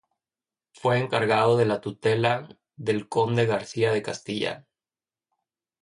Fue encargado de la tutela del conde García de Castilla.